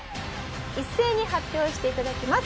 一斉に発表して頂きます。